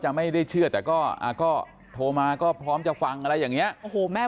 ไม่ได้เชื่อแต่ก็โทรมาก็พร้อมจะฟังอะไรอย่างเงี้ยโอ้โหแม่